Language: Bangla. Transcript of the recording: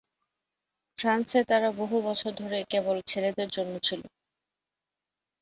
ফ্রান্সে তারা বহু বছর ধরে কেবল ছেলেদের জন্য ছিল।